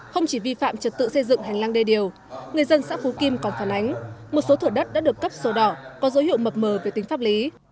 không chỉ vi phạm trật tự xây dựng hành lang đê điều người dân xã phú kim còn phản ánh một số thửa đất đã được cấp sổ đỏ có dấu hiệu mập mờ về tính pháp lý